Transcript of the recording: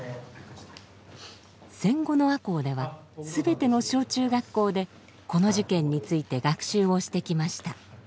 戦後の赤穂では全ての小中学校でこの事件について学習をしてきました。